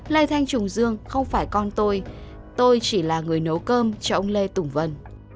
lê thanh trùng dương không phải con tôi tôi chỉ là người nấu cơm cho ông lê tùng vân